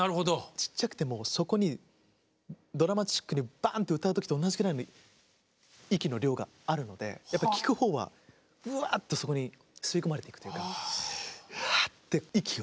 ちっちゃくてもそこにドラマチックにバーンと歌う時と同じくらいの息の量があるのでやっぱり聴く方はうわっとそこに吸い込まれていくというかファって息を。